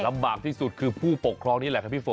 ลำบากที่สุดคือผู้ปกครองนี่แหละครับพี่ฝน